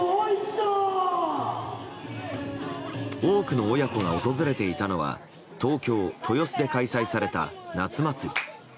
多くの親子が訪れていたのは東京・豊洲で開催された夏祭り。